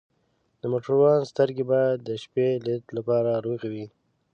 د موټروان سترګې باید د شپې لید لپاره روغې وي.